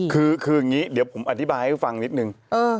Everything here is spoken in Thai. คืออย่างนี้เดี๋ยวผมอธิบายให้ฟังนิดนึง